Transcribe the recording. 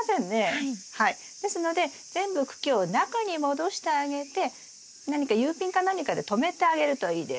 ですので全部茎を中に戻してあげて何かＵピンか何かでとめてあげるといいです。